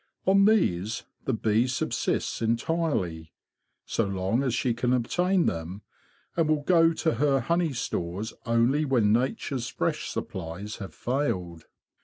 On these the bee subsists entirely, so long as she can obtain them, and will go to her honey stores only when nature's fresh supplies have failed.